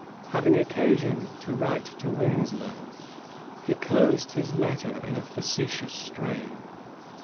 Having occasion to write to Winslow, he closed his letter in a facetious strain.